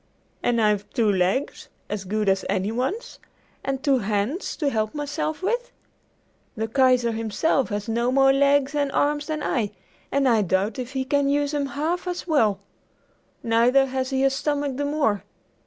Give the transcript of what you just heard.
And I've two legs as good as any one's, and two hands to help myself with! The Kaiser himself has no more legs and arms than I, and I doubt if he can use them half as well. Neither has he a stomach the more!